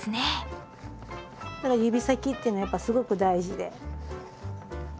指先っていうのはやっぱりすごく大事で。